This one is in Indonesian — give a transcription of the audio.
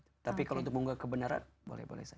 kalau kita bisa membongkar kebenaran boleh boleh saja